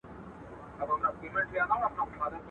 چي راضي مُلا چرګک او خپل پاچا کړي.